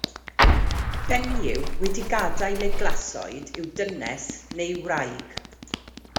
Benyw wedi gadael ei glasoed yw dynes neu wraig.